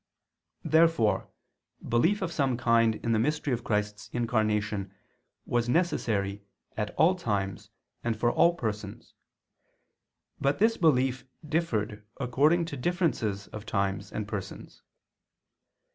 Therefore belief of some kind in the mystery of Christ's Incarnation was necessary at all times and for all persons, but this belief differed according to differences of times and persons.